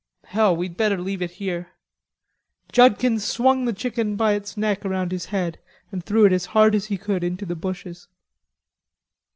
"Hell, we'd better leave it here." Judkins swung the chicken by its neck round his head and threw it as hard as he could into the bushes.